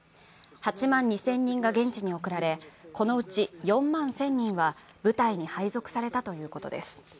８万２０００人が現地に送られ、このうち４万１０００人は部隊に配属されたということです。